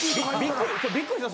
びっくりした。